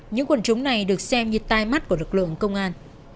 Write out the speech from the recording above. những quần chúng này được xem như tai mắt của lực lượng công an